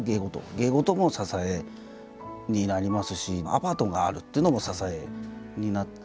芸事も支えになりますしアパートがあるっていうのも支えになって。